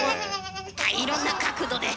あっいろんな角度で。